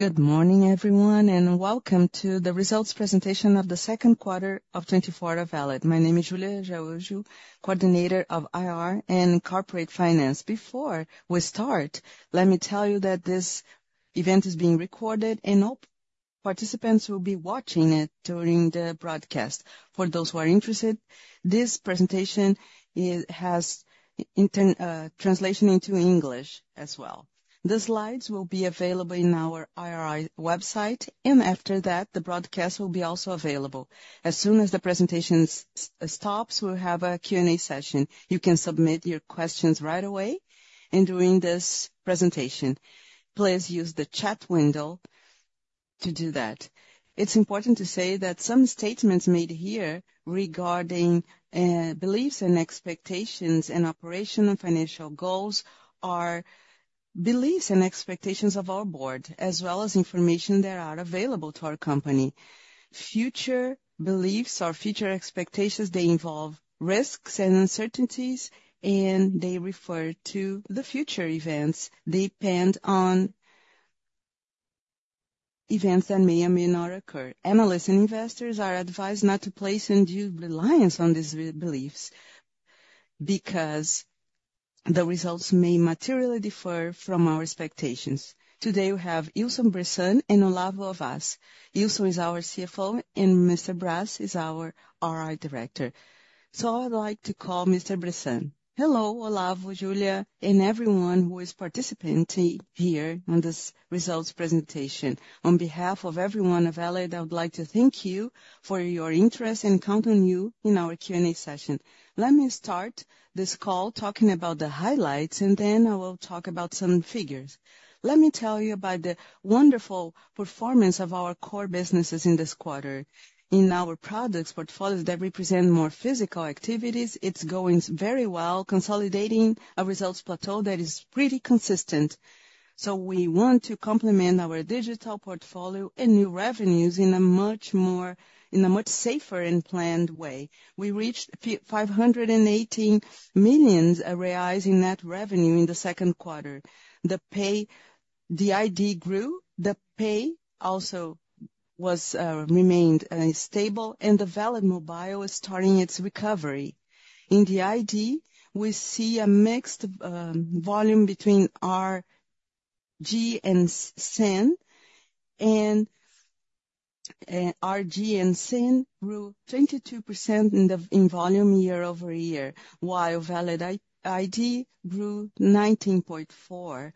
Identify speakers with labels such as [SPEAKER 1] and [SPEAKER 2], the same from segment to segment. [SPEAKER 1] Good morning, everyone, and welcome to the results presentation of the second quarter of 2024 of Valid. My name is Júlia Araújo, coordinator of IR and Corporate Finance. Before we start, let me tell you that this event is being recorded, and all participants will be watching it during the broadcast. For those who are interested, this presentation, it has simultaneous translation into English as well. The slides will be available in our IR website, and after that, the broadcast will be also available. As soon as the presentation stops, we'll have a Q&A session. You can submit your questions right away and during this presentation. Please use the chat window to do that. It's important to say that some statements made here regarding beliefs and expectations and operational financial goals are beliefs and expectations of our board, as well as information that are available to our company. Future beliefs or future expectations, they involve risks and uncertainties, and they refer to the future events. They depend on events that may or may not occur. Analysts and investors are advised not to place undue reliance on these beliefs, because the results may materially differ from our expectations. Today, we have Ilson Bressan and Olavo Vaz. Ilson is our CFO, and [Mr. Brás] is our IR director. I would like to call Mr. Bressan.
[SPEAKER 2] Hello, Olavo, Julia, and everyone who is participating here on this results presentation. On behalf of everyone of Valid, I would like to thank you for your interest and counting you in our Q&A session. Let me start this call talking about the highlights, and then I will talk about some figures. Let me tell you about the wonderful performance of our core businesses in this quarter. In our products portfolios that represent more physical activities, it's going very well, consolidating a results plateau that is pretty consistent. So we want to complement our digital portfolio and new revenues in a much safer and planned way. We reached 518 million reais in net revenue in the second quarter. The Valid ID grew, the Valid Pay also remained stable, and the Valid Mobile is starting its recovery. In the ID, we see a mixed volume RG and CIN, and RG and CIN grew 22% in volume year-over-year, while Valid ID grew 19.4%.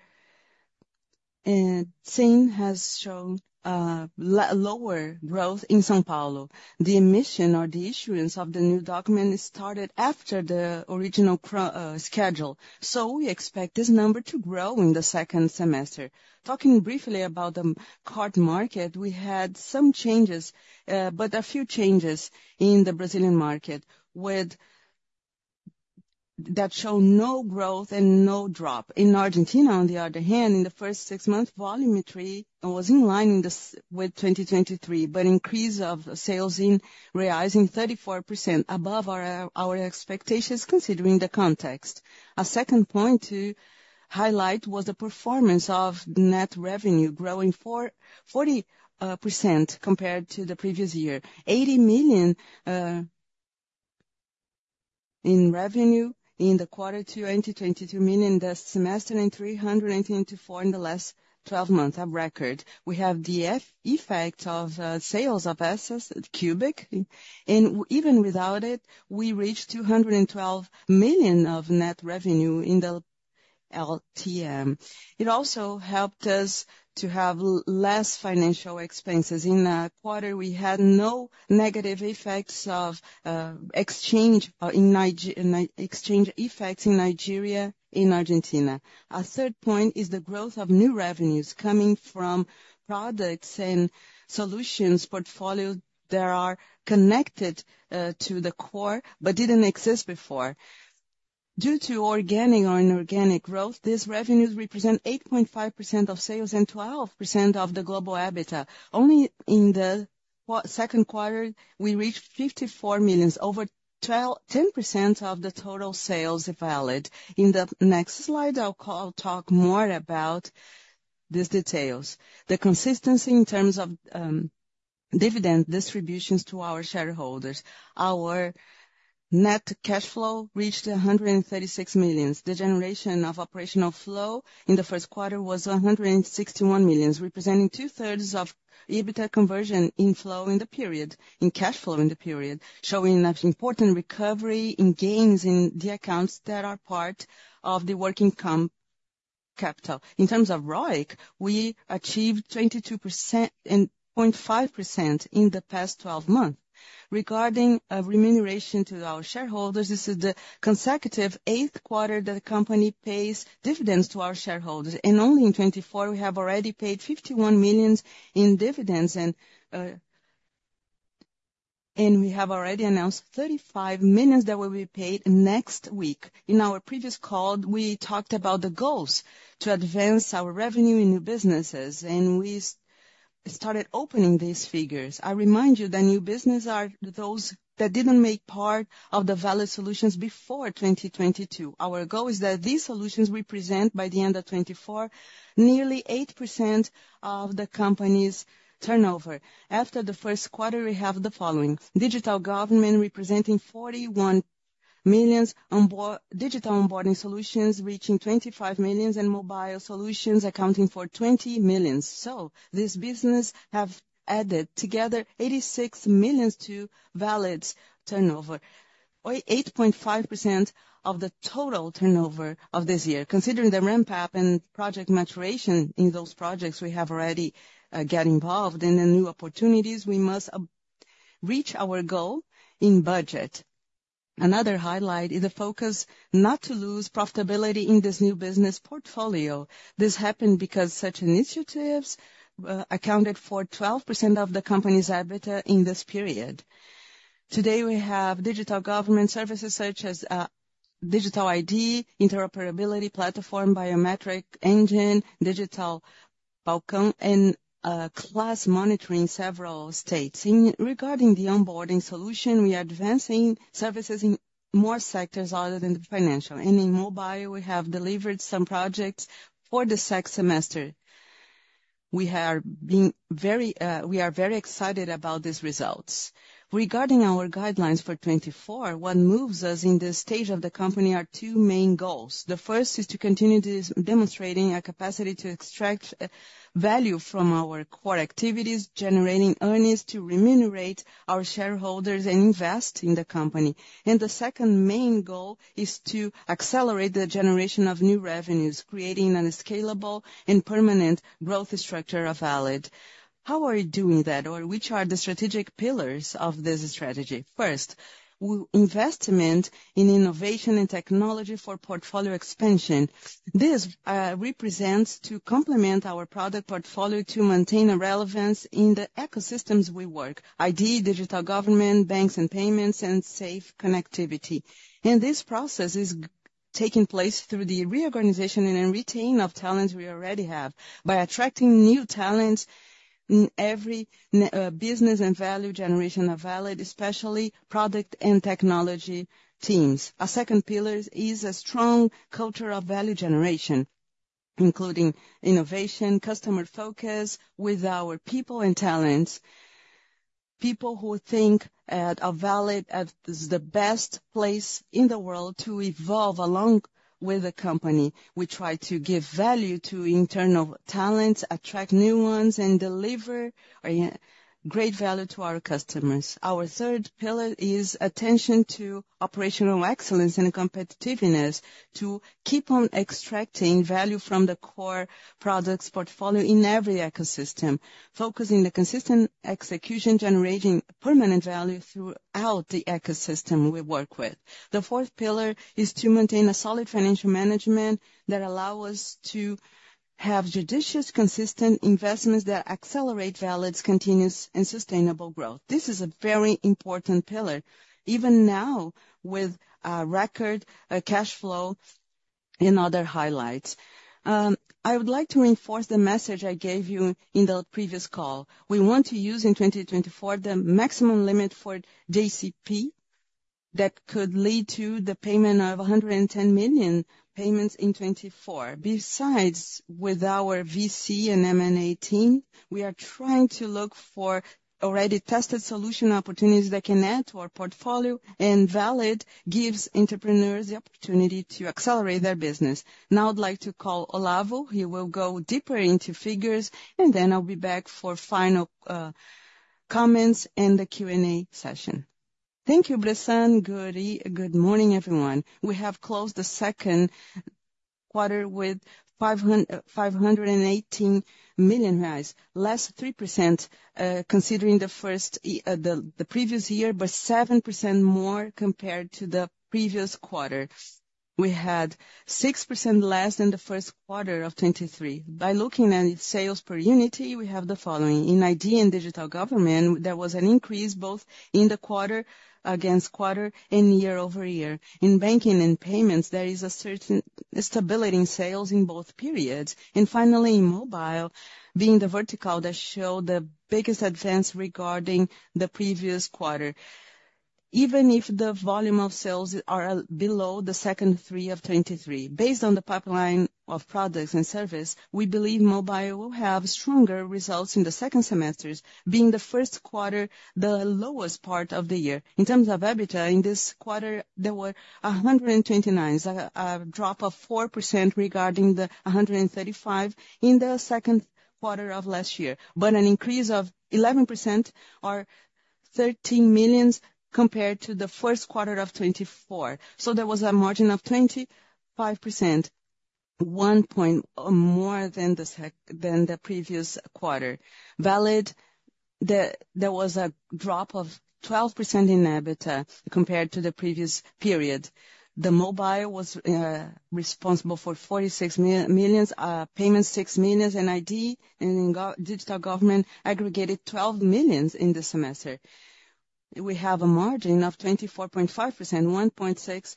[SPEAKER 2] CIN has shown lower growth in São Paulo. The emission or the issuance of the new document started after the original schedule, so we expect this number to grow in the second semester. Talking briefly about the card market, we had some changes, but a few changes in the Brazilian market with that show no growth and no drop. In Argentina, on the other hand, in the first six months, volumetry was in line with 2023, but increase of sales in realizing 34% above our expectations, considering the context. A second point to highlight was the performance of net revenue growing 40% compared to the previous year. 80 million in revenue in the quarter 2022, 222 million in the semester, and 384 million in the last 12 months of record. We have the effect of sales of assets at Cubic, and even without it, we reached 212 million of net revenue in the LTM. It also helped us to have less financial expenses. In that quarter, we had no negative effects of exchange in exchange effects in Nigeria, in Argentina. Our third point is the growth of new revenues coming from products and solutions portfolio that are connected to the core, but didn't exist before. Due to organic or inorganic growth, these revenues represent 8.5% of sales and 12% of the global EBITDA. Only in the second quarter, we reached 54 million, over 10% of the total sales of Valid. In the next slide, I'll talk more about these details. The consistency in terms of dividend distributions to our shareholders. Our net cash flow reached 136 million. The generation of operational flow in the first quarter was 161 million, representing 2/3s of EBITDA conversion in flow in the period, in cash flow in the period, showing an important recovery in gains in the accounts that are part of the working capital. In terms of ROIC, we achieved 22.5% in the past 12 months. Regarding a remuneration to our shareholders, this is the consecutive eighth quarter that the company pays dividends to our shareholders. Only in 2024, we have already paid 51 million in dividends, and we have already announced 35 million that will be paid next week. In our previous call, we talked about the goals to advance our revenue in new businesses, and I started opening these figures. I remind you that new business are those that didn't make part of the Valid solutions before 2022. Our goal is that these solutions represent, by the end of 2024, nearly 8% of the company's turnover. After the first quarter, we have the following: digital government representing 41 million, digital onboarding solutions reaching 25 million, and mobile solutions accounting for 20 million. So this business have added together 86 million to Valid's turnover, or 8.5% of the total turnover of this year. Considering the ramp-up and project maturation in those projects we have already get involved in, and new opportunities, we must reach our goal in budget. Another highlight is the focus not to lose profitability in this new business portfolio. This happened because such initiatives accounted for 12% of the company's EBITDA in this period. Today, we have digital government services such as digital ID, interoperability platform, biometric engine, digital balcony, and class monitoring several states. Regarding the onboarding solution, we are advancing services in more sectors other than the financial. And in mobile, we have delivered some projects for the second semester. We are being very we are very excited about these results. Regarding our guidelines for 2024, what moves us in this stage of the company are two main goals. The first is to continue demonstrating our capacity to extract value from our core activities, generating earnings to remunerate our shareholders and invest in the company. The second main goal is to accelerate the generation of new revenues, creating a scalable and permanent growth structure of Valid. How are we doing that? Or which are the strategic pillars of this strategy? First, investment in innovation and technology for portfolio expansion. This represents to complement our product portfolio to maintain a relevance in the ecosystems we work: ID, digital government, banks and payments, and safe connectivity. This process is taking place through the reorganization and retention of talents we already have, by attracting new talents in every business and value generation of Valid, especially product and technology teams. Our second pillar is a strong culture of value generation, including innovation, customer focus with our people and talents, people who think of Valid as the best place in the world to evolve along with the company. We try to give value to internal talents, attract new ones, and deliver great value to our customers. Our third pillar is attention to operational excellence and competitiveness, to keep on extracting value from the core products portfolio in every ecosystem, focusing the consistent execution, generating permanent value throughout the ecosystem we work with. The fourth pillar is to maintain a solid financial management that allow us to have judicious, consistent investments that accelerate Valid's continuous and sustainable growth. This is a very important pillar, even now with record cash flow and other highlights. I would like to reinforce the message I gave you in the previous call. We want to use, in 2024, the maximum limit for JCP. That could lead to the payment of 110 million payments in 2024. Besides, with our VC and M&A team, we are trying to look for already tested solution opportunities that can add to our portfolio, and Valid gives entrepreneurs the opportunity to accelerate their business. Now, I'd like to call Olavo. He will go deeper into figures, and then I'll be back for final comments in the Q&A session.
[SPEAKER 3] Thank you, Bressan. Good morning, everyone. We have closed the second quarter with 518 million reais, less 3%, considering the previous year, but 7% more compared to the previous quarter. We had 6% less than the first quarter of 2023. By looking at sales per unit, we have the following: in ID and digital government, there was an increase, both in the quarter-over-quarter and year-over-year. In banking and payments, there is a certain stability in sales in both periods. And finally, in mobile, being the vertical that showed the biggest advance regarding the previous quarter, even if the volume of sales are below the second quarter of 2023. Based on the pipeline of products and service, we believe mobile will have stronger results in the second semester, being the first quarter the lowest part of the year. In terms of EBITDA, in this quarter, there were 129 million, a drop of 4% regarding the 135 million in the second quarter of last year. But an increase of 11% or 13 million compared to the first quarter of 2024. So there was a margin of 25%, [1%] more than the previous quarter. Valid, there was a drop of 12% in EBITDA compared to the previous period. The mobile was responsible for 46 million, payments, 6 million, and ID and digital government aggregated 12 million in the semester. We have a margin of 24.5%,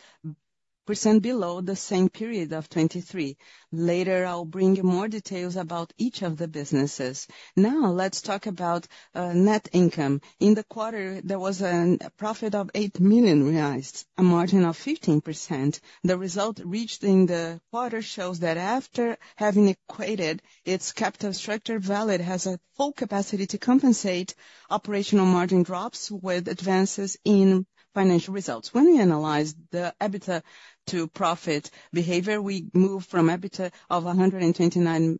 [SPEAKER 3] 1.6% below the same period of 2023. Later, I'll bring you more details about each of the businesses. Now, let's talk about net income. In the quarter, there was a profit of 8 million reais, a margin of 15%. The result reached in the quarter shows that after having equated its capital structure, Valid has a full capacity to compensate operational margin drops with advances in financial results. When we analyze the EBITDA to profit behavior, we move from EBITDA of 129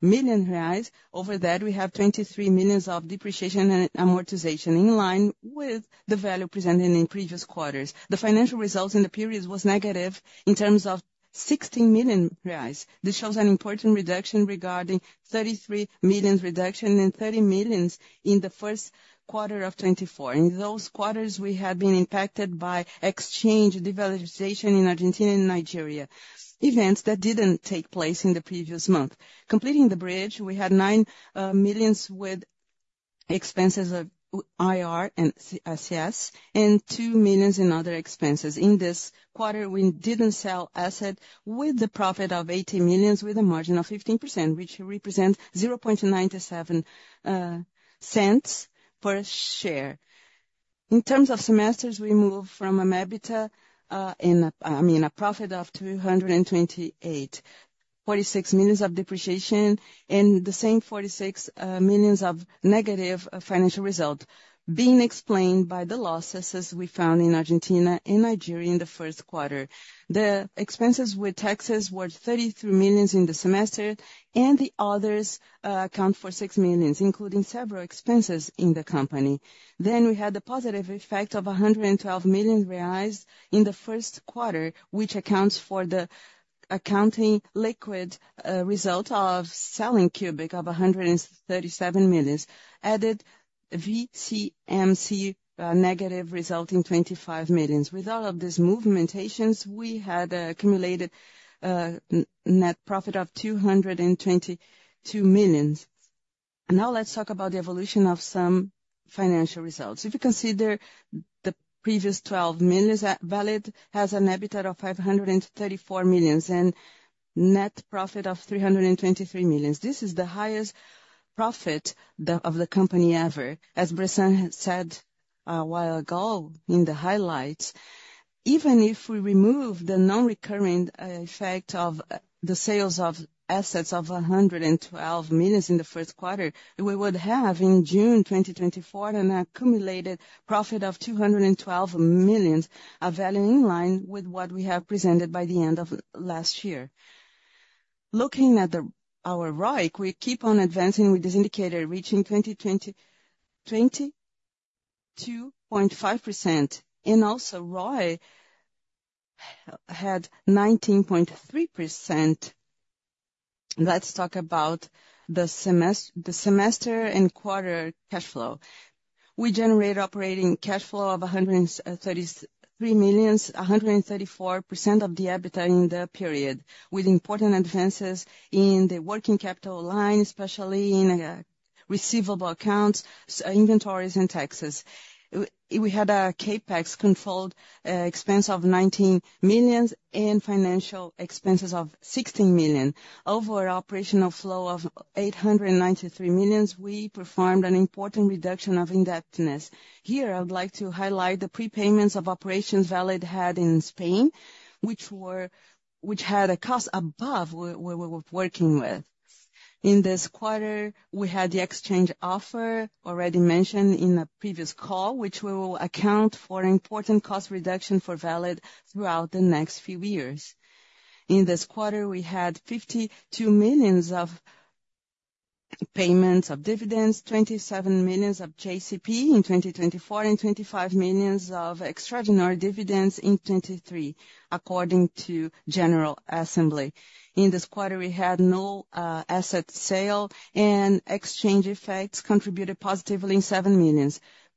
[SPEAKER 3] million reais. Over that, we have 23 million of depreciation and amortization, in line with the value presented in previous quarters. The financial results in the period was negative in terms of 60 million reais. This shows an important reduction regarding 33 million reduction and 30 million in the first quarter of 2024. In those quarters, we have been impacted by exchange devaluation in Argentina and Nigeria, events that didn't take place in the previous month. Completing the bridge, we had 9 million with expenses of IR and CS, and 2 million in other expenses. In this quarter, we didn't sell asset with the profit of 80 million, with a margin of 15%, which represent 0.97 per share. In terms of semesters, we move from a EBITDA, I mean, a profit of 228, 46 million of depreciation, and the same 46 million of negative financial result, being explained by the losses as we found in Argentina and Nigeria in the first quarter. The expenses with taxes were 33 million in the semester, and the others account for 6 million, including several expenses in the company. Then, we had the positive effect of 112 million reais in the first quarter, which accounts for the accounting liquid result of selling Cubic of 137 million, added VCMC negative result in 25 million. With all of these movementations, we had a accumulated net profit of 222 million. Now, let's talk about the evolution of some financial results. If you consider the previous 12 months, Valid has an EBITDA of 534 million and net profit of 323 million. This is the highest profit of the company ever. As Bressan had said a while ago in the highlights, even if we remove the non-recurring effect of the sales of assets of 112 million in the first quarter, we would have, in June 2024, an accumulated profit of 212 million, a value in line with what we have presented by the end of last year. Looking at our ROIC, we keep on advancing with this indicator, reaching 22.5%. Also, ROE had 19.3%. Let's talk about the semester and quarter cash flow. We generated operating cash flow of 133 million, 134% of the EBITDA in the period, with important advances in the working capital line, especially in receivable accounts, inventories, and taxes. We had a CapEx controlled expense of 19 million and financial expenses of 16 million. Overall operational flow of 893 million, we performed an important reduction of indebtedness. Here, I would like to highlight the prepayments of operations Valid had in Spain, which had a cost above what we were working with. In this quarter, we had the exchange offer, already mentioned in a previous call, which will account for important cost reduction for Valid throughout the next few years. In this quarter, we had 52 million of payments of dividends, 27 million of JCP in 2024, and 25 million of extraordinary dividends in 2023, according to General Assembly. In this quarter, we had no asset sale, and exchange effects contributed positively in 7 million,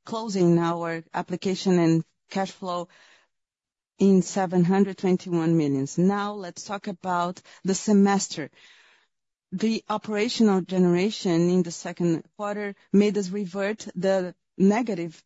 [SPEAKER 3] closing our application and cash flow in 721 million. Now, let's talk about the semester. The operational generation in the second quarter made us revert the negative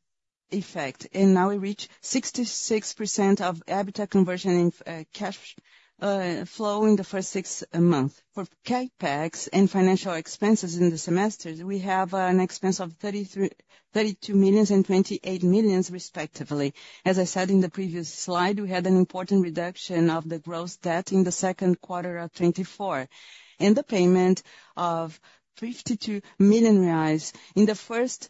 [SPEAKER 3] effect, and now we reach 66% of EBITDA conversion in cash flow in the first six months. For CapEx and financial expenses in the semester, we have an expense of 32 million and 28 million, respectively. As I said in the previous slide, we had an important reduction of the gross debt in the second quarter of 2024, and the payment of 52 million reais. In the first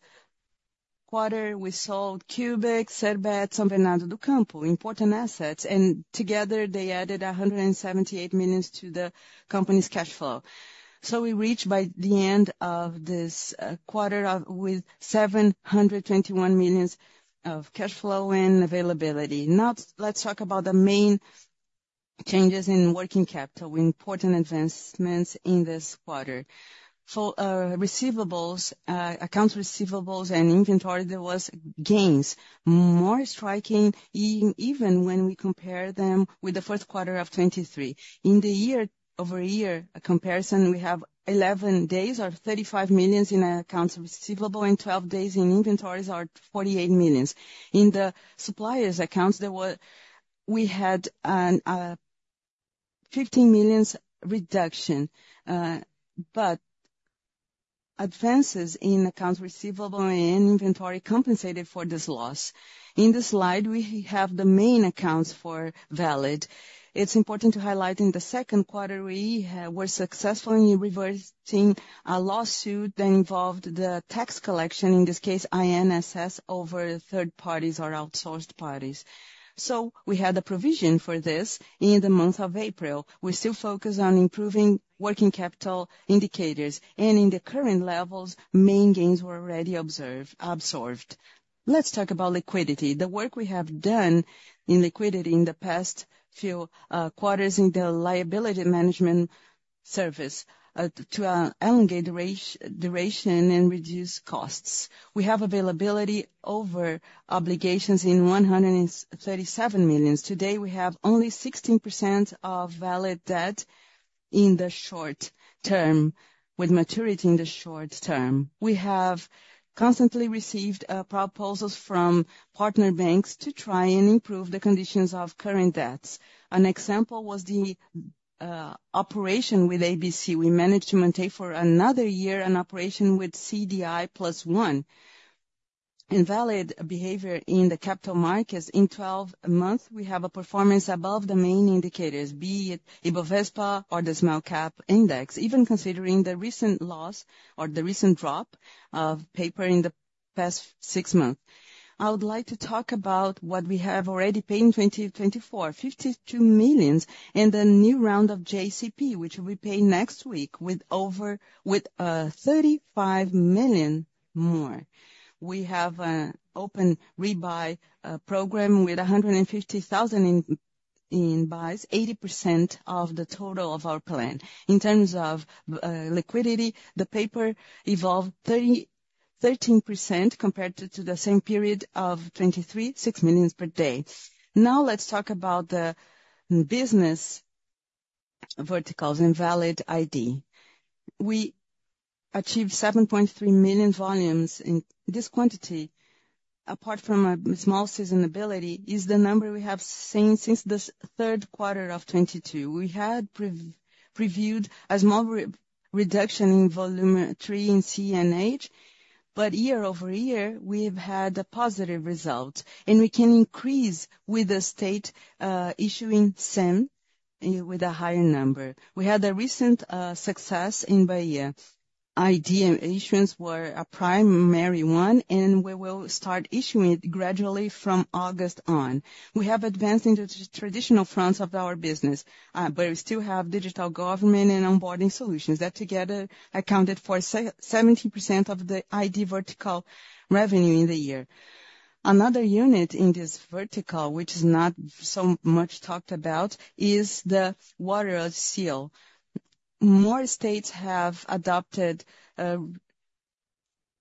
[SPEAKER 3] quarter, we sold Cubic, Serbet, São Bernardo do Campo, important assets, and together, they added 178 million to the company's cash flow. So we reached, by the end of this quarter, with 721 million of cash flow and availability. Now, let's talk about the main changes in working capital, important advancements in this quarter. For receivables, accounts receivables and inventory, there was gains, more striking even when we compare them with the first quarter of 2023. In the year-over-year comparison, we have 11 days or 35 million in accounts receivable and 12 days in inventories or 48 million. In the suppliers' accounts, there we had an BRL 15 million reduction, but advances in accounts receivable and inventory compensated for this loss. In this slide, we have the main accounts for Valid. It's important to highlight in the second quarter, we were successfully reversing a lawsuit that involved the tax collection, in this case, INSS, over third parties or outsourced parties. So we had a provision for this in the month of April. We're still focused on improving working capital indicators, and in the current levels, main gains were already observed, absorbed. Let's talk about liquidity. The work we have done in liquidity in the past few quarters in the liability management service to elongate duration and reduce costs. We have availability over obligations in 137 million. Today, we have only 16% of Valid debt in the short term, with maturity in the short term. We have constantly received proposals from partner banks to try and improve the conditions of current debts. An example was the operation with ABC. We managed to maintain for another year an operation with CDI+ one. In Valid's behavior in the capital markets, in 12 months, we have a performance above the main indicators, be it Ibovespa or the small cap index, even considering the recent loss or the recent drop of paper in the past six months. I would like to talk about what we have already paid in 2024, 52 million, and the new round of JCP, which we pay next week with over 35 million more. We have open rebuy program with 150,000 in buys, 80% of the total of our plan. In terms of liquidity, the paper evolved 33% compared to the same period of 2023, 6 million per day. Now, let's talk about the business verticals in Valid ID. We achieved 7.3 million volumes, and this quantity, apart from a small seasonality, is the number we have seen since the third quarter of 2022. We had previously reviewed a small reduction in volumes in CNH, but year-over-year, we've had a positive result, and we can increase with the state issuing CIN with a higher number. We had a recent success in Bahia. CIN issuance was a primary one, and we will start issuing it gradually from August on. We have advanced into the traditional fronts of our business, but we still have digital government and onboarding solutions that together accounted for 70% of the ID vertical revenue in the year. Another unit in this vertical, which is not so much talked about, is the water seal. More states have adopted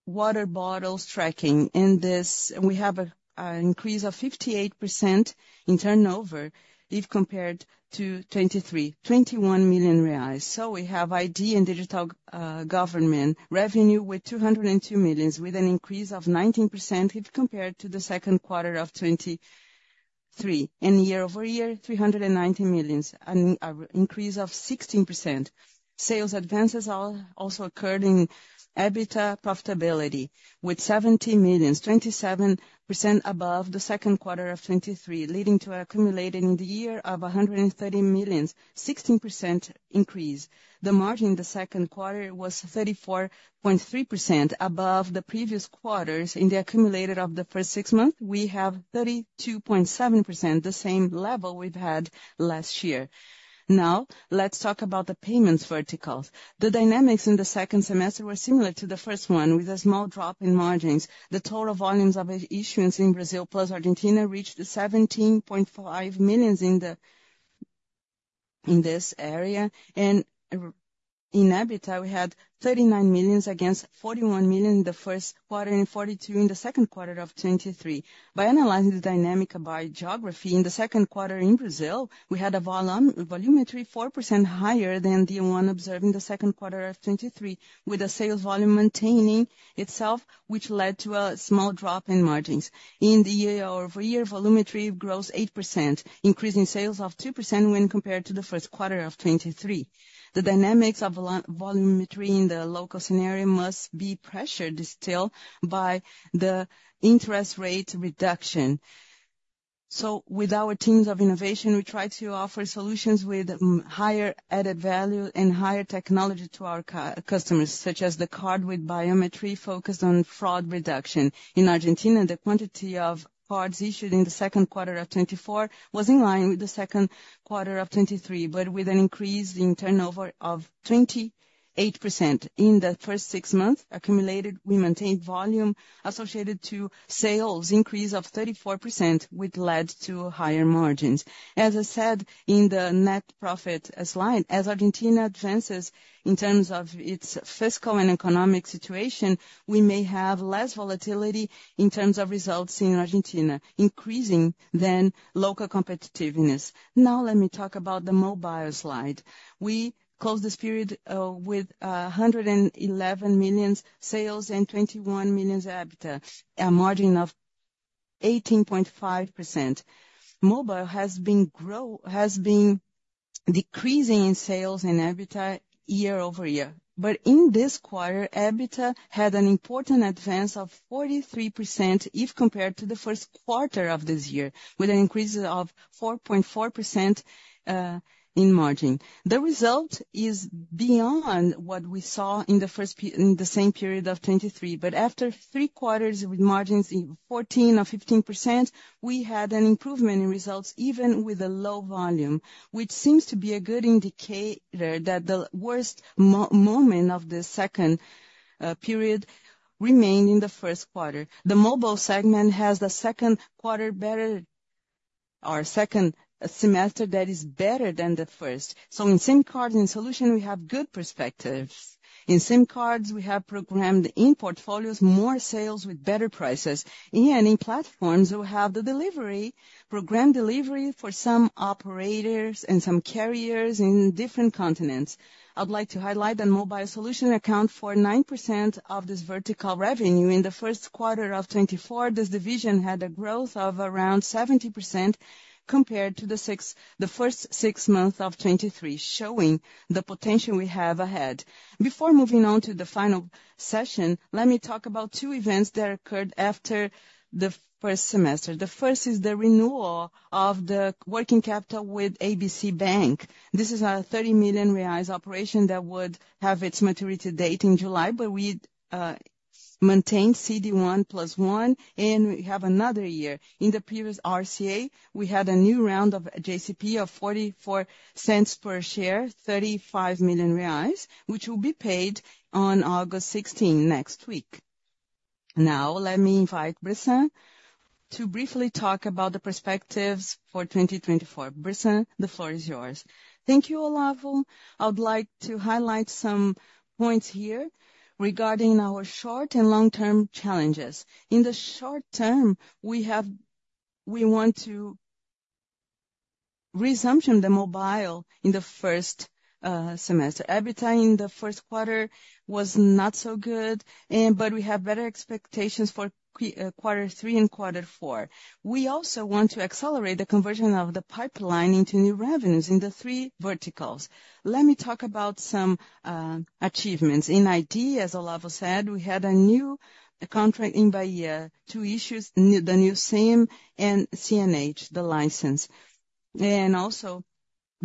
[SPEAKER 3] water bottles tracking. In this, we have an increase of 58% in turnover if compared to 2023, 21 million reais. So we have ID and digital government revenue with 202 million, with an increase of 19% if compared to the second quarter of 2023. And year-over-year, 390 million, an increase of 16%. Sales advances also occurred in EBITDA profitability, with 70 million, 27% above the second quarter of 2023, leading to accumulating the year of BRL 130 million, 16% increase. The margin in the second quarter was 34.3% above the previous quarters. In the accumulated of the first six months, we have 32.7%, the same level we've had last year. Now, let's talk about the payments verticals. The dynamics in the second semester were similar to the first one, with a small drop in margins. The total volumes of issuance in Brazil plus Argentina reached 17.5 million in this area. In EBITDA, we had 39 million against 41 million in the first quarter and 42 million in the second quarter of 2023. By analyzing the dynamic by geography, in the second quarter in Brazil, we had a volumetry 4% higher than the one observed in the second quarter of 2023, with a sales volume maintaining itself, which led to a small drop in margins. In the year-over-year, volumetry grows 8%, increasing sales of 2% when compared to the first quarter of 2023. The dynamics of volumetry in the local scenario must be pressured still by the interest rate reduction. With our teams of innovation, we try to offer solutions with higher added value and higher technology to our customers, such as the card with biometrics focused on fraud reduction. In Argentina, the quantity of cards issued in the second quarter of 2024 was in line with the second quarter of 2023, but with an increase in turnover of 28%. In the first six months, accumulated, we maintained volume associated to sales increase of 34%, which led to higher margins. As I said, in the net profit as line, as Argentina advances in terms of its fiscal and economic situation, we may have less volatility in terms of results in Argentina, increasing then local competitiveness. Now let me talk about the mobile slide. We closed this period with 111 million sales and 21 million EBITDA, a margin of 18.5%. Mobile has been decreasing in sales and EBITDA year-over-year, but in this quarter, EBITDA had an important advance of 43%, if compared to the first quarter of this year, with an increase of 4.4% in margin. The result is beyond what we saw in the first in the same period of 2023, but after three quarters with margins in 14% or 15%, we had an improvement in results, even with a low volume. Which seems to be a good indicator that the worst moment of the second period remained in the first quarter. The mobile segment has the second quarter better or second semester that is better than the first. So in SIM cards and solution, we have good perspectives. In SIM cards, we have programmed in portfolios more sales with better prices, and in platforms, we have the delivery program delivery for some operators and some carriers in different continents. I'd like to highlight that mobile solution account for 9% of this vertical revenue. In the first quarter of 2024, this division had a growth of around 70% compared to the first six months of 2023, showing the potential we have ahead. Before moving on to the final session, let me talk about two events that occurred after the first semester. The first is the renewal of the working capital with ABC Bank. This is a 30 million reais operation that would have its maturity date in July, but we maintained CDI 1 + 1, and we have another year. In the previous RCA, we had a new round of JCP of 0.44 per share, 35 million reais, which will be paid on August 16, next week. Now, let me invite Bressan to briefly talk about the perspectives for 2024. Bressan, the floor is yours.
[SPEAKER 2] Thank you, Olavo. I would like to highlight some points here regarding our short- and long-term challenges. In the short term, we want to resume the Mobile in the first semester. EBITDA in the first quarter was not so good, and but we have better expectations for quarter three and quarter four. We also want to accelerate the conversion of the pipeline into new revenues in the three verticals. Let me talk about some achievements. In ID, as Olavo said, we had a new contract in Bahia to issue the new SIM and CNH, the license.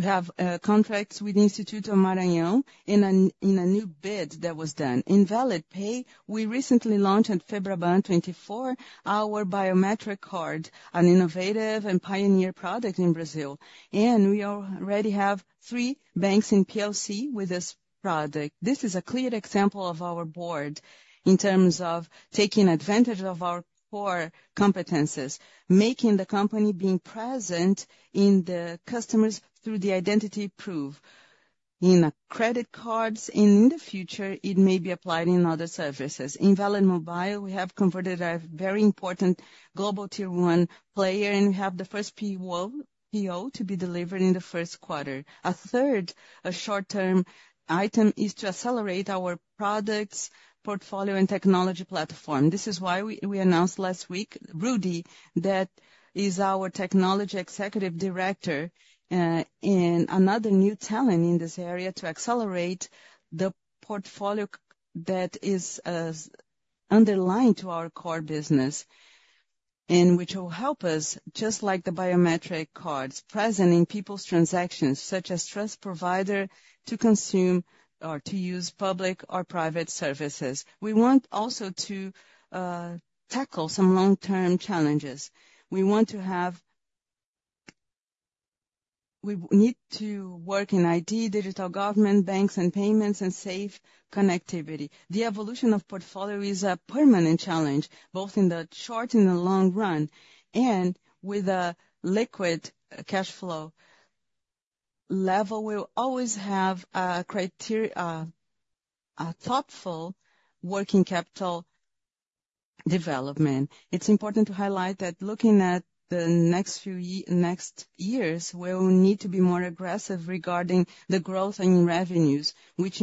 [SPEAKER 2] We have contracts with Instituto Maranhão in a new bid that was done. In Valid Pay, we recently launched at Febraban 2024 our biometric card, an innovative and pioneer product in Brazil, and we already have three banks in PoC with this product. This is a clear example of our bet in terms of taking advantage of our core competencies, making the company being present in the customers through the identity proof. In credit cards, in the future, it may be applied in other services. In Valid Mobile, we have converted a very important global tier one player, and we have the first PO to be delivered in the first quarter. A short-term item is to accelerate our products, portfolio, and technology platform. This is why we announced last week, Rudy, that is our technology executive director, and another new talent in this area to accelerate the portfolio that is underlined to our core business, and which will help us, just like the biometric cards, present in people's transactions, such as trust provider to consume or to use public or private services. We want also to tackle some long-term challenges. We want to have. We need to work in ID, digital government, banks and payments, and safe connectivity. The evolution of portfolio is a permanent challenge, both in the short and the long run, and with a liquid cash flow level, we will always have a criteria, a thoughtful working capital development. It's important to highlight that looking at the next few years, we will need to be more aggressive regarding the growth in revenues, which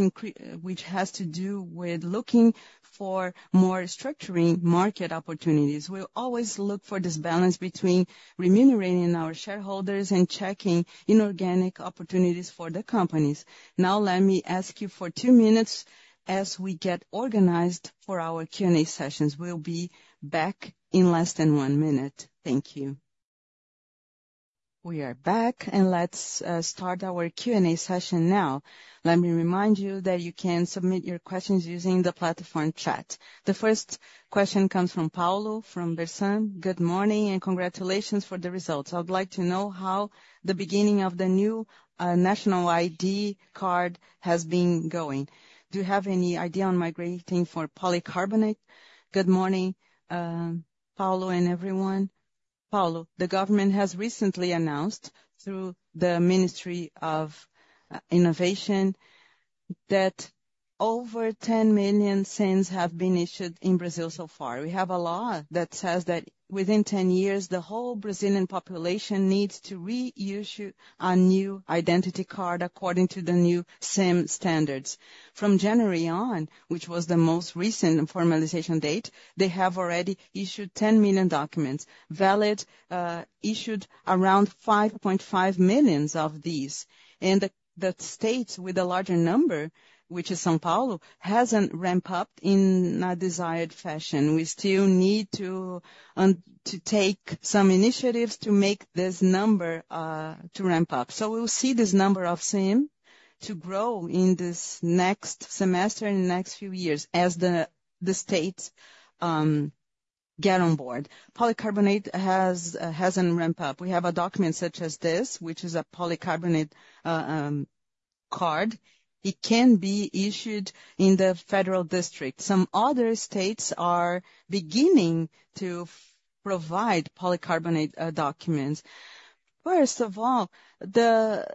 [SPEAKER 2] has to do with looking for more structuring market opportunities. We'll always look for this balance between remunerating our shareholders and checking inorganic opportunities for the companies.
[SPEAKER 1] Now, let me ask you for two minutes as we get organized for our Q&A sessions. We'll be back in less than one minute. Thank you. We are back, and let's start our Q&A session now. Let me remind you that you can submit your questions using the platform chat. The first question comes from Paulo, from Bressan. "Good morning, and congratulations for the results. I would like to know how the beginning of the new National ID card has been going. Do you have any idea on migrating for polycarbonate?"
[SPEAKER 2] Good morning, Paulo and everyone. Paulo, the government has recently announced, through the Ministry of Innovation, that. Over 10 million CINs have been issued in Brazil so far. We have a law that says that within 10 years, the whole Brazilian population needs to reissue a new identity card according to the new SIM standards. From January on, which was the most recent formalization date, they have already issued 10 million documents. Valid issued around 5.5 million of these, and the states with a larger number, which is São Paulo, hasn't ramped up in a desired fashion. We still need to take some initiatives to make this number to ramp up. So we will see this number of CIN to grow in this next semester, in the next few years as the states get on board. Polycarbonate hasn't ramped up. We have a document such as this, which is a polycarbonate card. It can be issued in the Federal District. Some other states are beginning to provide polycarbonate documents. First of all, the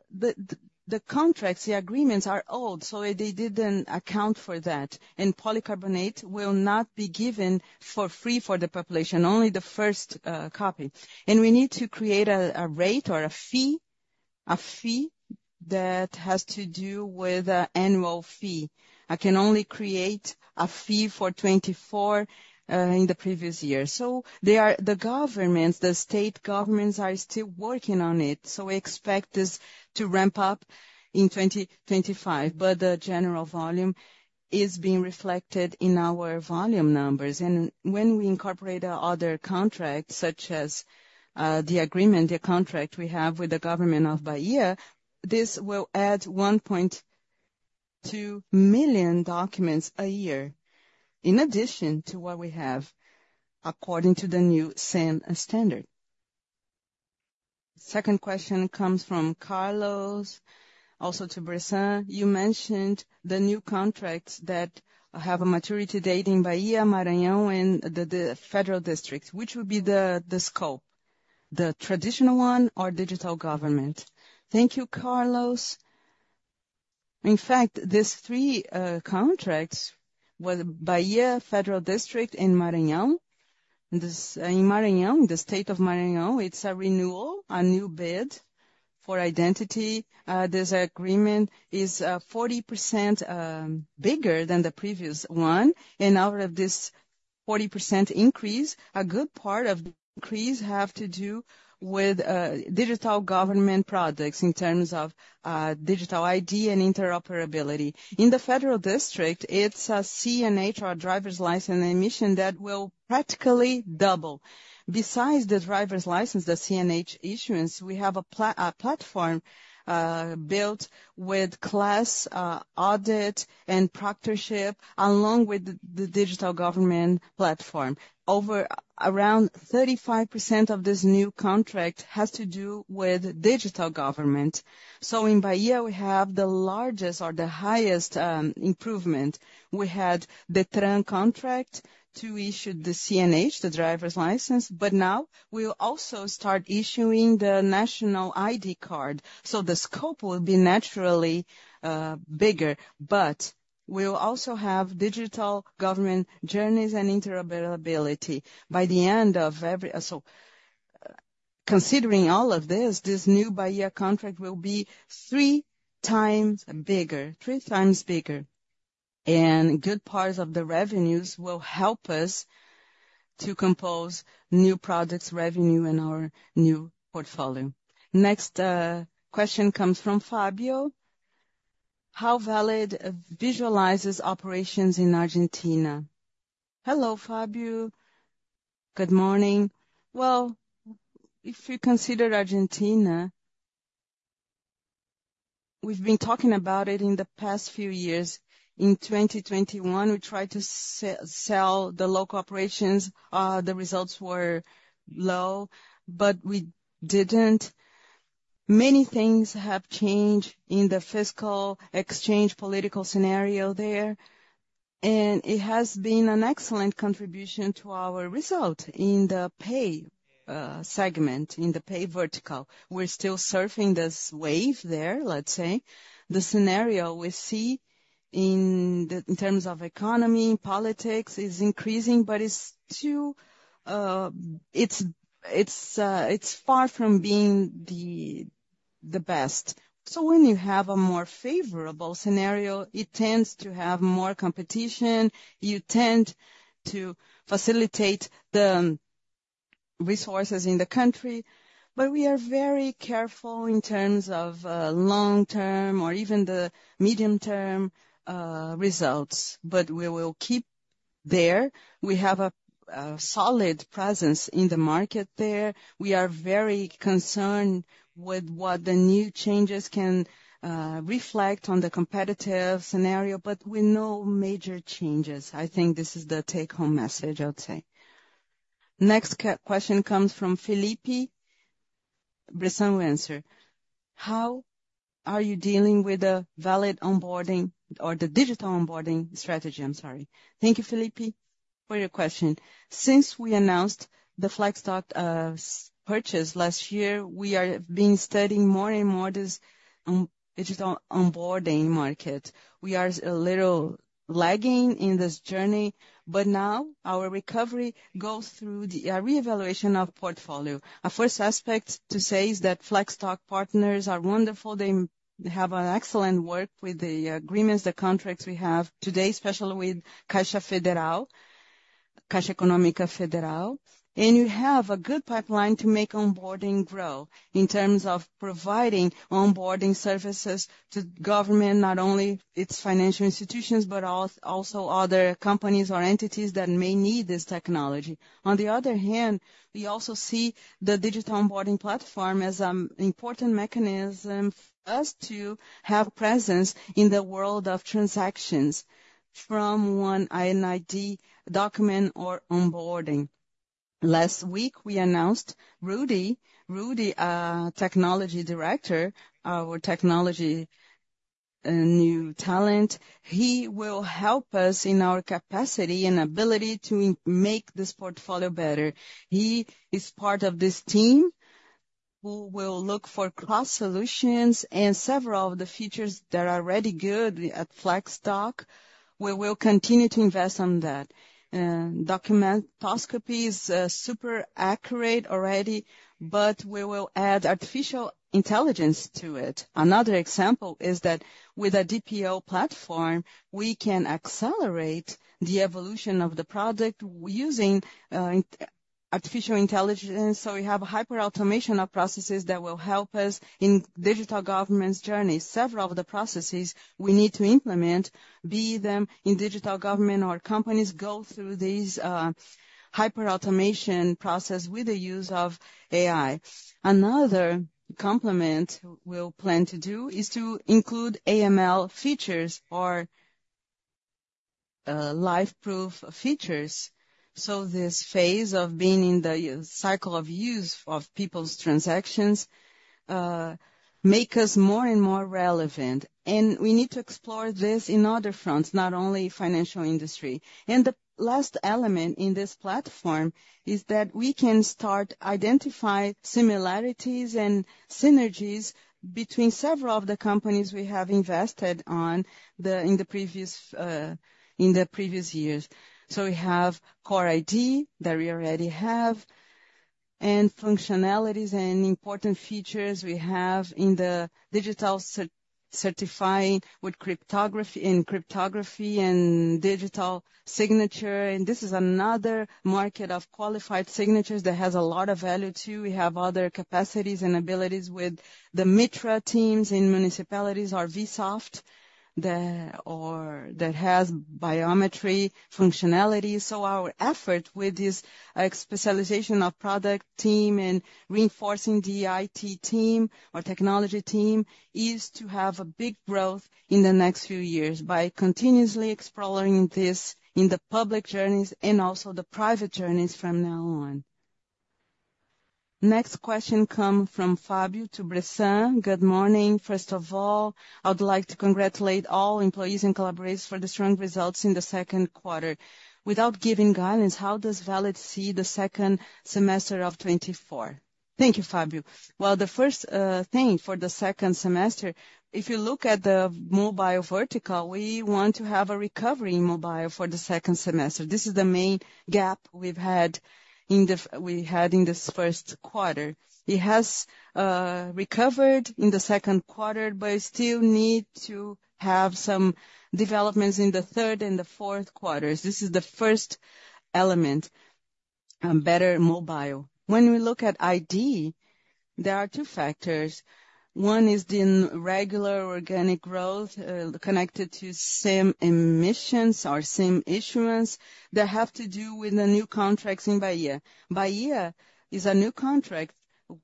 [SPEAKER 2] contracts, the agreements are old, so they didn't account for that, and polycarbonate will not be given for free for the population, only the first copy. And we need to create a rate or a fee, a fee that has to do with an annual fee. I can only create a fee for 2024 in the previous year. So they are... The governments, the state governments, are still working on it, so we expect this to ramp up in 2025. But the general volume is being reflected in our volume numbers. And when we incorporate our other contracts, such as the agreement, the contract we have with the government of Bahia, this will add 1.2 million documents a year, in addition to what we have according to the new SIM standard.
[SPEAKER 1] Second question comes from Carlos, also to Bressan: You mentioned the new contracts that have a maturity date in Bahia, Maranhão, and the Federal District. Which would be the scope, the traditional one or digital government?
[SPEAKER 2] Thank you, Carlos. In fact, these three contracts with Bahia, Federal District and Maranhão, this, in Maranhão, the state of Maranhão, it's a renewal, a new bid for identity. This agreement is 40% bigger than the previous one, and out of this 40% increase, a good part of the increase have to do with digital government products in terms of digital ID and interoperability. In the Federal District, it's a CNH or driver's license issuance that will practically double. Besides the driver's license, the CNH issuance, we have a platform built with class audit and proctorship, along with the digital government platform. Over around 35% of this new contract has to do with digital government. So in Bahia, we have the largest or the highest improvement. We had the Detran contract to issue the CNH, the driver's license, but now we'll also start issuing the national ID card, so the scope will be naturally bigger. But we'll also have digital government journeys and interoperability. So considering all of this, this new Bahia contract will be three times bigger, three times bigger, and good parts of the revenues will help us to compose new products revenue in our new portfolio.
[SPEAKER 1] Next, question comes from Fabio: How Valid visualizes operations in Argentina?
[SPEAKER 2] Hello, Fabio. Good morning. Well, if you consider Argentina, we've been talking about it in the past few years. In 2021, we tried to sell the local operations. The results were low, but we didn't. Many things have changed in the fiscal, exchange, political scenario there, and it has been an excellent contribution to our result in the pay segment, in the pay vertical. We're still surfing this wave there, let's say. The scenario we see in terms of economy, politics, is increasing, but it's still far from being the best. So when you have a more favorable scenario, it tends to have more competition. You tend to facilitate the resources in the country, but we are very careful in terms of long-term or even the medium-term results, but we will keep there. We have a solid presence in the market there. We are very concerned with what the new changes can reflect on the competitive scenario, but we know major changes. I think this is the take-home message, I would say.
[SPEAKER 1] Next question comes from Felipe. Bressan will answer: How are you dealing with the Valid onboarding or the digital onboarding strategy? I'm sorry.
[SPEAKER 2] Thank you, Felipe. For your question, since we announced the Flexdoc purchase last year, we have been studying more and more this digital onboarding market. We are a little lagging in this journey, but now our recovery goes through the reevaluation of portfolio. Our first aspect to say is that Flexdoc partners are wonderful. They have an excellent work with the agreements, the contracts we have today, especially with Caixa Econômica Federal. And we have a good pipeline to make onboarding grow, in terms of providing onboarding services to government, not only its financial institutions, but also other companies or entities that may need this technology. On the other hand, we also see the digital onboarding platform as important mechanism for us to have presence in the world of transactions from one ID document or onboarding. Last week, we announced Rudy. Rudy, technology director, our technology, new talent, he will help us in our capacity and ability to make this portfolio better. He is part of this team who will look for cross solutions and several of the features that are already good at Flexdoc, we will continue to invest on that. Documentoscopy is super accurate already, but we will add artificial intelligence to it. Another example is that with a DPO platform, we can accelerate the evolution of the product using artificial intelligence. So we have a hyper automation of processes that will help us in digital government's journey. Several of the processes we need to implement, be them in digital government or companies, go through these hyper automation process with the use of AI. Another complement we'll plan to do is to include AML features or liveness proof features. So this phase of being in the user cycle of use of people's transactions makes us more and more relevant, and we need to explore this in other fronts, not only financial industry. The last element in this platform is that we can start identifying similarities and synergies between several of the companies we have invested in the previous years. So we have core ID that we already have, and functionalities and important features we have in the digital certification with cryptography and digital signature. This is another market of qualified signatures that has a lot of value, too. We have other capacities and abilities with the Mitra teams in municipalities, or Vsoft, or that has biometry functionality. So our effort with this, specialization of product team and reinforcing the IT team or technology team, is to have a big growth in the next few years by continuously exploring this in the public journeys and also the private journeys from now on.
[SPEAKER 1] Next question comes from Fabio to Bressan: Good morning. First of all, I would like to congratulate all employees and collaborators for the strong results in the second quarter. Without giving guidance, how does Valid see the second semester of 2024?
[SPEAKER 2] Thank you, Fabio. Well, the first thing for the second semester, if you look at the mobile vertical, we want to have a recovery in mobile for the second semester. This is the main gap we've had—we had in this first quarter. It has recovered in the second quarter, but we still need to have some developments in the third and the fourth quarters. This is the first element, better mobile. When we look at ID, there are two factors. One is the regular organic growth, connected to same emissions or same issuance, that have to do with the new contracts in Bahia. Bahia is a new contract.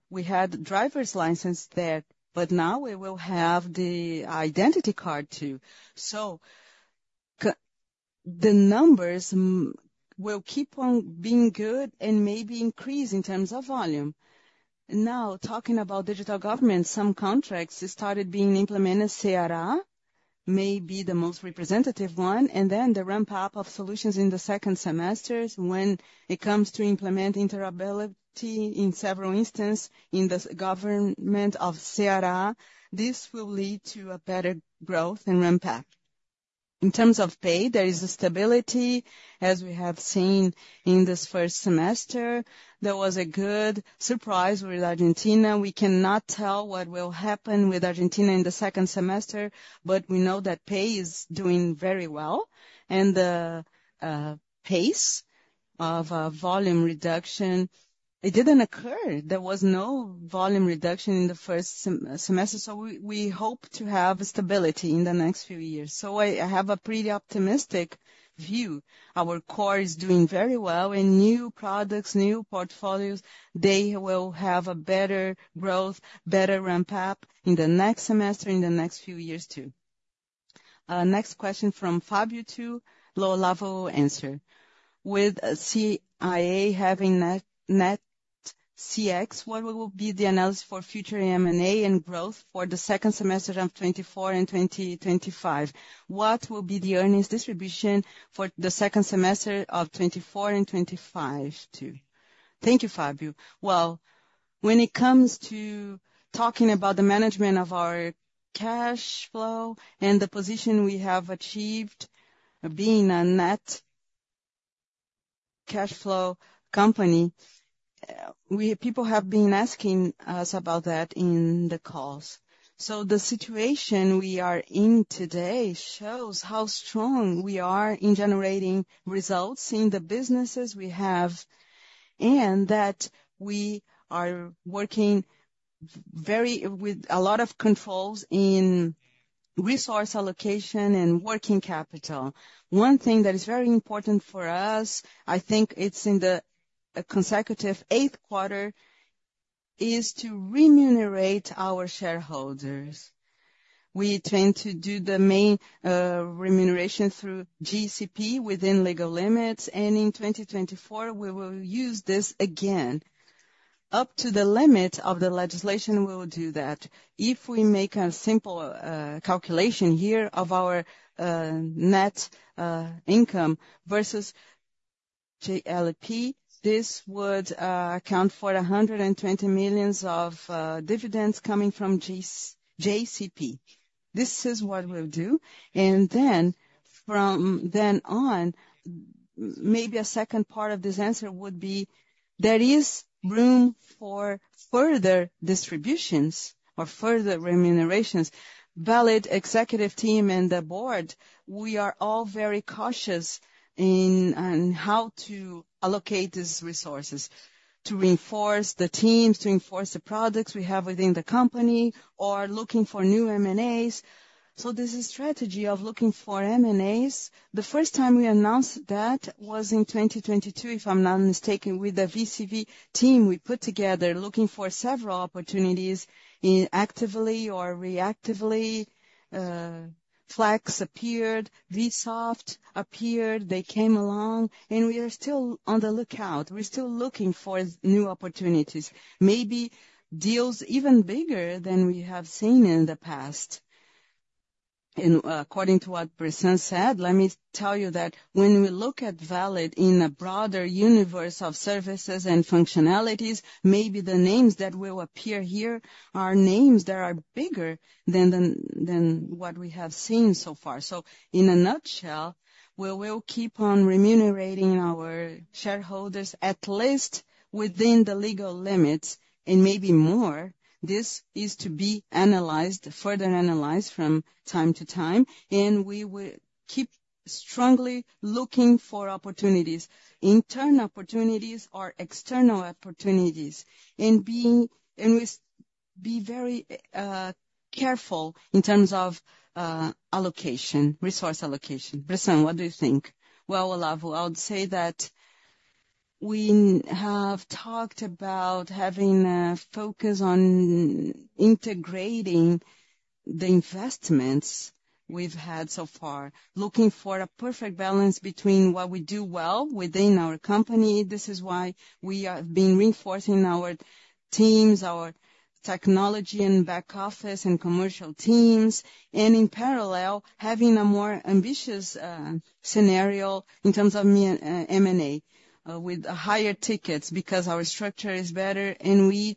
[SPEAKER 2] We had driver's license there, but now we will have the identity card, too. So the numbers will keep on being good and maybe increase in terms of volume. Now, talking about digital government, some contracts started being implemented. Ceará may be the most representative one, and then the ramp-up of solutions in the second semesters. When it comes to implementing interoperability in several instances in the government of Ceará, this will lead to a better growth and ramp-up. In terms of pay, there is a stability, as we have seen in this first semester. There was a good surprise with Argentina. We cannot tell what will happen with Argentina in the second semester, but we know that pay is doing very well and the pace of volume reduction, it didn't occur. There was no volume reduction in the first semester, so we hope to have stability in the next few years. So I have a pretty optimistic view. Our core is doing very well, and new products, new portfolios, they will have a better growth, better ramp-up in the next semester, in the next few years, too. Next question from Fabio to Olavo Vaz. With Valid having net cash, what will be the analysis for future M&A and growth for the second semester of 2024 and 2025? What will be the earnings distribution for the second semester of 2024 and 2025, too?
[SPEAKER 3] Thank you, Fabio. Well, when it comes to talking about the management of our cash flow and the position we have achieved being a net cash flow company, people have been asking us about that in the calls. So the situation we are in today shows how strong we are in generating results in the businesses we have, and that we are working very with a lot of controls in resource allocation and working capital. One thing that is very important for us, I think it's in the consecutive eighth quarter, is to remunerate our shareholders. We tend to do the main remuneration through JCP within legal limits, and in 2024, we will use this again. Up to the limit of the legislation, we will do that. If we make a simple calculation here of our net income versus JCP, this would account for 120 million of dividends coming from JCP. This is what we'll do, and then from then on, maybe a second part of this answer would be, there is room for further distributions or further remunerations. Valid executive team and the board, we are all very cautious on how to allocate these resources, to reinforce the teams, to enhance the products we have within the company or looking for new M&As. So there's a strategy of looking for M&As. The first time we announced that was in 2022, if I'm not mistaken, with the VCV team we put together, looking for several opportunities proactively or reactively. Flex appeared, Vsoft appeared, they came along, and we are still on the lookout. We're still looking for new opportunities, maybe deals even bigger than we have seen in the past. And, according to what Preston said, let me tell you that when we look at Valid in a broader universe of services and functionalities, maybe the names that will appear here are names that are bigger than what we have seen so far. So in a nutshell, we will keep on remunerating our shareholders, at least within the legal limits, and maybe more. This is to be analyzed, further analyzed from time to time, and we will keep strongly looking for opportunities, internal opportunities or external opportunities, and be very careful in terms of allocation, resource allocation. [Bressan], what do you think?
[SPEAKER 2] Well, Olavo, I would say that we have talked about having a focus on integrating the investments we've had so far, looking for a perfect balance between what we do well within our company. This is why we are being reinforcing our teams, our technology and back office and commercial teams, and in parallel, having a more ambitious scenario in terms of M&A with higher tickets, because our structure is better, and we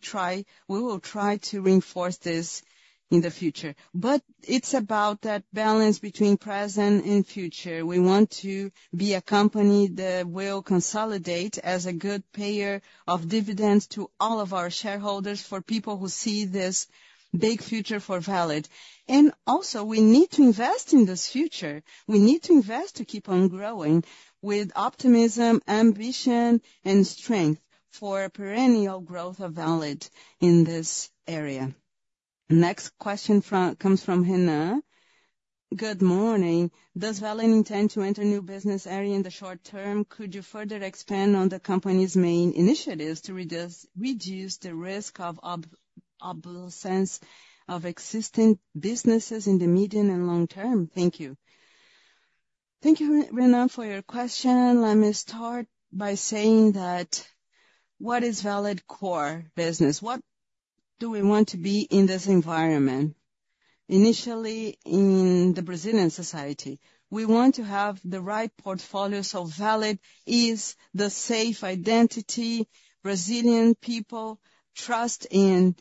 [SPEAKER 2] will try to reinforce this in the future. But it's about that balance between present and future. We want to be a company that will consolidate as a good payer of dividends to all of our shareholders, for people who see this big future for Valid. And also, we need to invest in this future.
[SPEAKER 1] We need to invest to keep on growing with optimism, ambition and strength for perennial growth of Valid in this area. Next question comes from Rena. Good morning. Does Valid intend to enter new business area in the short term? Could you further expand on the company's main initiatives to reduce the risk of obsolescence of existing businesses in the medium and long term? Thank you.
[SPEAKER 2] Thank you, Rena, for your question. Let me start by saying that what is Valid core business? What do we want to be in this environment? Initially, in the Brazilian society, we want to have the right portfolio, so Valid is the safe identity Brazilian people trust in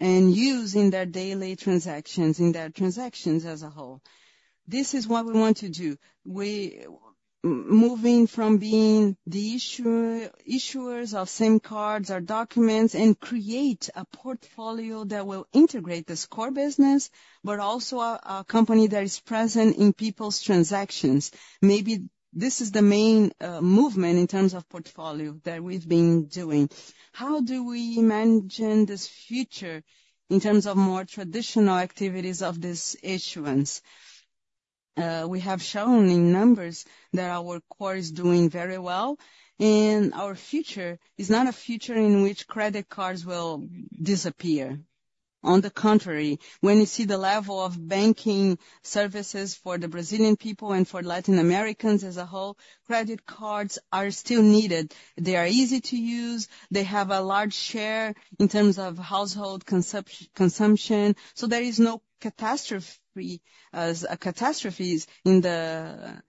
[SPEAKER 2] and use in their daily transactions, in their transactions as a whole. This is what we want to do. We moving from being the issuers of SIM cards or documents and create a portfolio that will integrate this core business, but also a company that is present in people's transactions. Maybe this is the main movement in terms of portfolio that we've been doing. How do we imagine this future in terms of more traditional activities of this issuance? We have shown in numbers that our core is doing very well, and our future is not a future in which credit cards will disappear. On the contrary, when you see the level of banking services for the Brazilian people and for Latin Americans as a whole, credit cards are still needed. They are easy to use, they have a large share in terms of household consumption, so there is no catastrophe, as catastrophes in the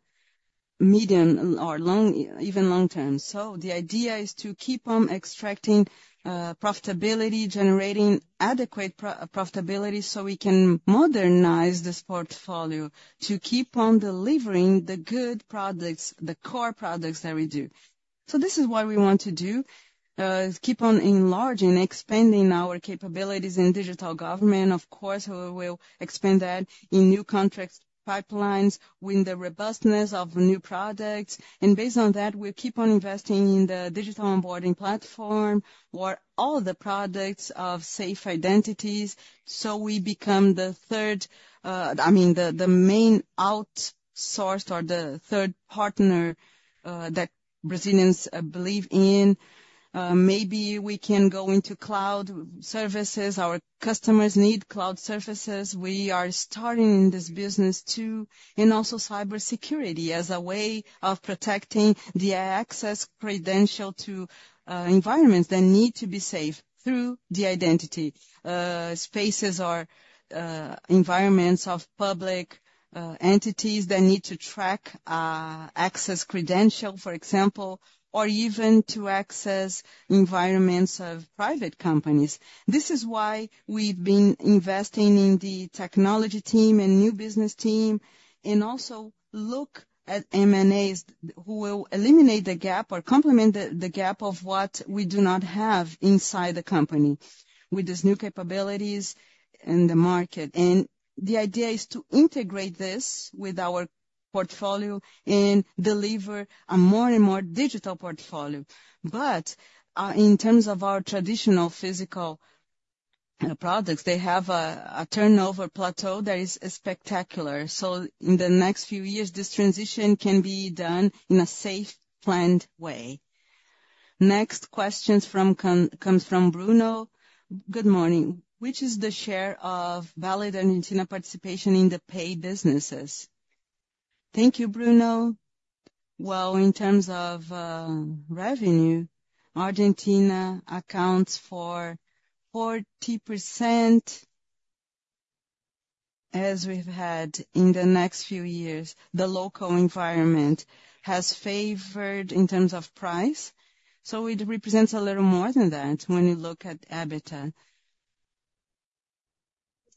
[SPEAKER 2] medium or long, even long term. So the idea is to keep on extracting profitability, generating adequate profitability, so we can modernize this portfolio to keep on delivering the good products, the core products that we do. So this is what we want to do is keep on enlarging, expanding our capabilities in digital government. Of course, we will expand that in new contracts pipelines, with the robustness of new products, and based on that, we keep on investing in the digital onboarding platform, where all the products of safe identities. So we become the third—I mean, the main outsourced or the third partner that Brazilians believe in. Maybe we can go into cloud services. Our customers need cloud services. We are starting this business, too, and also cybersecurity as a way of protecting the access credential to environments that need to be safe through the identity. Spaces or environments of public entities that need to track access credential, for example, or even to access environments of private companies. This is why we've been investing in the technology team and new business team, and also look at M&As who will eliminate the gap or complement the, the gap of what we do not have inside the company with these new capabilities in the market. And the idea is to integrate this with our portfolio and deliver a more and more digital portfolio. But in terms of our traditional physical products, they have a turnover plateau that is spectacular. So in the next few years, this transition can be done in a safe, planned way.
[SPEAKER 1] Next question comes from Bruno. "Good morning. Which is the share of Valid Argentina participation in the pay businesses?"
[SPEAKER 3] Thank you, Bruno. Well, in terms of revenue, Argentina accounts for 40%, as we've had in the next few years, the local environment has favored in terms of price, so it represents a little more than that when you look at EBITDA.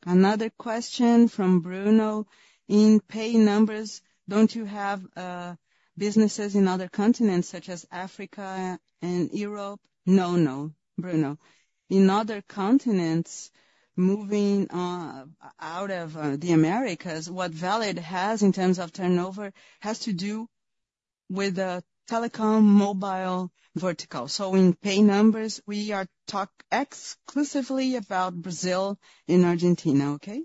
[SPEAKER 3] Another question from Bruno: "In pay numbers, don't you have businesses in other continents, such as Africa and Europe?" No, no, Bruno. In other continents, moving out of the Americas, what Valid has in terms of turnover has to do with the telecom mobile vertical. So in pay numbers, we are talk exclusively about Brazil and Argentina, okay?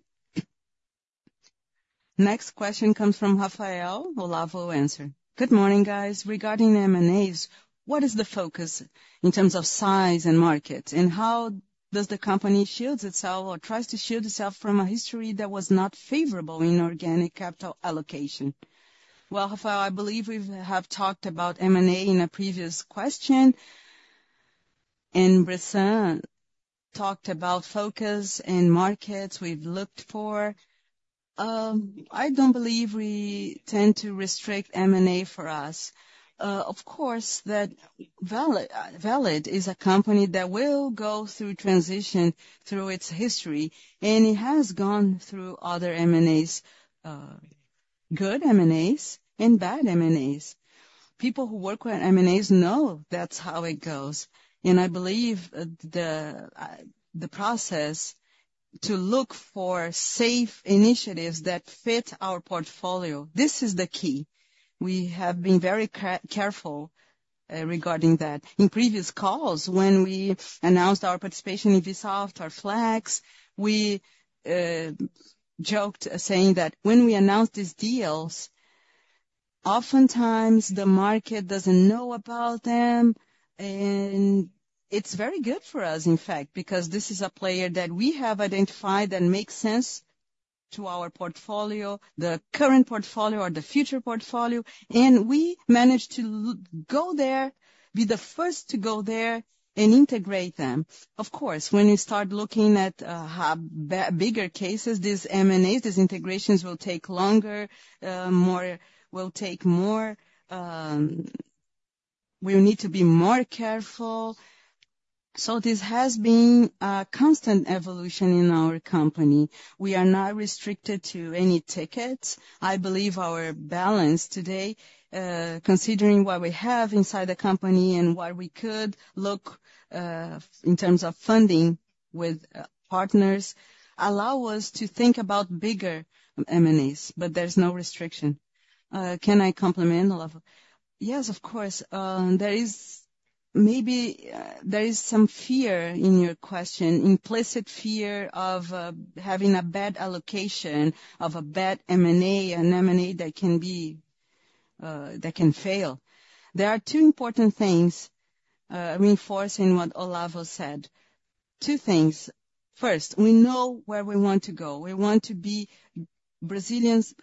[SPEAKER 1] Next question comes from Rafael. Olavo answer. "Good morning, guys. Regarding M&As, what is the focus in terms of size and market? And how does the company shield itself or tries to shield itself from a history that was not favorable in organic capital allocation?"
[SPEAKER 3] Well, Rafael, I believe we've talked about M&A in a previous question, and Bressan talked about focus and markets we've looked for. I don't believe we tend to restrict M&A for us. Of course, Valid is a company that will go through transition through its history, and it has gone through other M&As, good M&As and bad M&As. People who work with M&As know that's how it goes, and I believe the process to look for safe initiatives that fit our portfolio, this is the key. We have been very careful regarding that. In previous calls, when we announced our participation in Vsoft or Flex, we joked, saying that when we announce these deals, oftentimes the market doesn't know about them, and it's very good for us, in fact, because this is a player that we have identified that makes sense to our portfolio, the current portfolio or the future portfolio, and we managed to go there, be the first to go there and integrate them. Of course, when you start looking at bigger cases, these M&As, these integrations will take longer, will take more. We need to be more careful. So this has been a constant evolution in our company. We are not restricted to any tickets. I believe our balance today, considering what we have inside the company and what we could look, in terms of funding with, partners, allow us to think about bigger M&As, but there's no restriction.
[SPEAKER 2] Can I complement, Olavo?
[SPEAKER 3] Yes, of course.
[SPEAKER 2] There is maybe some fear in your question, implicit fear of, having a bad allocation, of a bad M&A, an M&A that can fail. There are two important things, reinforcing what Olavo said. Two things. First, we know where we want to go. We want to be Brazil's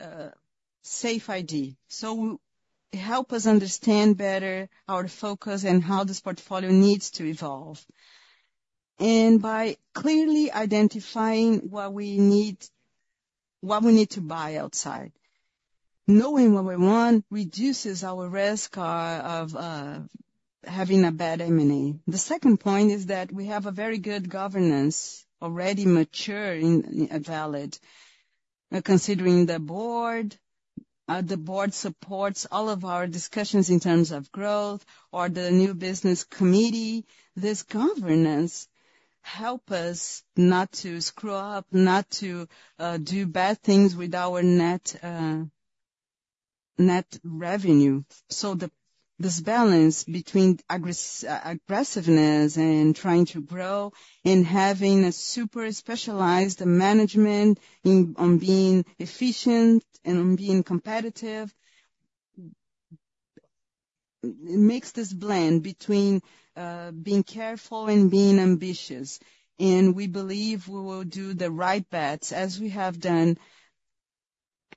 [SPEAKER 2] safe ID. So help us understand better our focus and how this portfolio needs to evolve. By clearly identifying what we need, what we need to buy outside, knowing what we want reduces our risk, of, having a bad M&A. The second point is that we have a very good governance already mature in, at Valid. Considering the board, the board supports all of our discussions in terms of growth or the new business committee. This governance help us not to screw up, not to, do bad things with our net, net revenue. So this balance between aggressiveness and trying to grow and having a super specialized management in, on being efficient and on being competitive, makes this blend between, being careful and being ambitious, and we believe we will do the right bets, as we have done,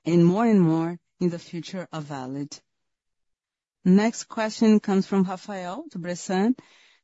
[SPEAKER 2] and more and more in the future of Valid.
[SPEAKER 1] Next question comes from Rafael to Bressan.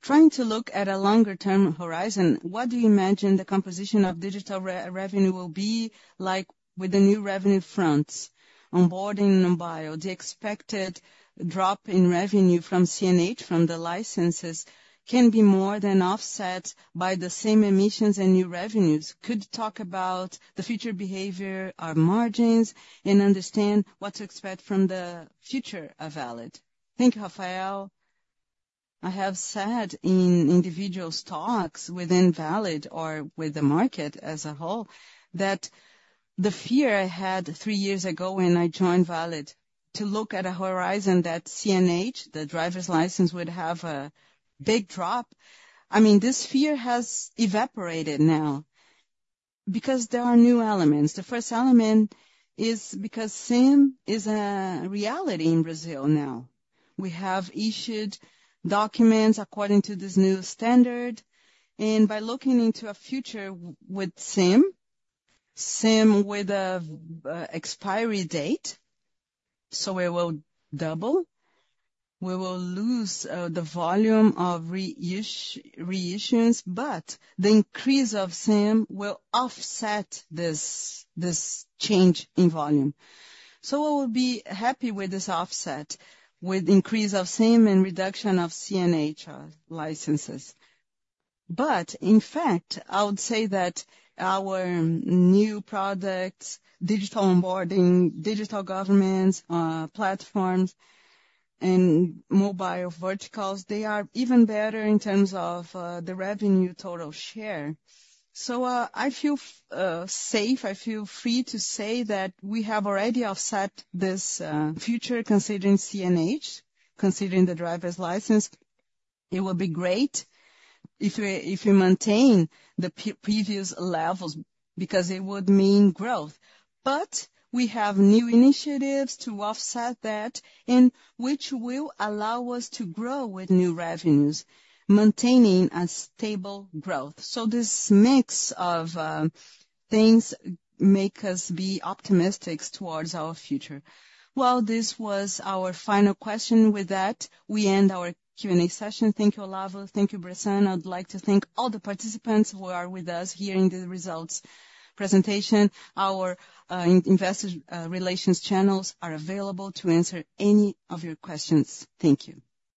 [SPEAKER 1] "Trying to look at a longer-term horizon, what do you imagine the composition of digital revenue will be like with the new revenue fronts? Onboarding and bio, the expected drop in revenue from CNH, from the licenses, can be more than offset by the same emissions and new revenues. Could you talk about the future behavior of margins and understand what to expect from the future of Valid?
[SPEAKER 2] Thank you, Rafael. I have said in individual talks within Valid or with the market as a whole, that the fear I had three years ago when I joined Valid, to look at a horizon that CNH, the driver's license, would have a big drop. I mean, this fear has evaporated now because there are new elements. The first element is because CIN is a reality in Brazil now. We have issued documents according to this new standard, and by looking into a future with CIN, CIN with a expiry date, so we will double. We will lose the volume of reissue, reissuance, but the increase of CIN will offset this change in volume. So we will be happy with this offset, with increase of CIN and reduction of CNH licenses. But in fact, I would say that our new products, digital onboarding, digital governments platforms, and mobile verticals, they are even better in terms of the revenue total share. So I feel safe, I feel free to say that we have already offset this future, considering CNH, considering the driver's license. It will be great if we maintain the previous levels, because it would mean growth. But we have new initiatives to offset that, and which will allow us to grow with new revenues, maintaining a stable growth. So this mix of things make us be optimistic towards our future.
[SPEAKER 1] Well, this was our final question. With that, we end our Q&A session. Thank you, Olavo. Thank you, Bressan. I'd like to thank all the participants who are with us here in the results presentation. Our investor relations channels are available to answer any of your questions. Thank you.